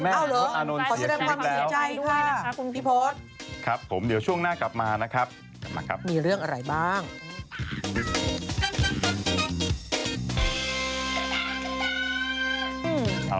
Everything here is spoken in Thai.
เอาใจชะบันหน่อยชะบันบอกทำถั่ว